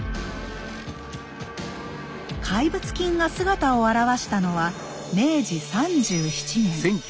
怪物金が姿を現したのは明治３７年。